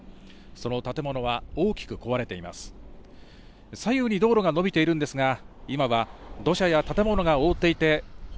その建物は大きく壊れています。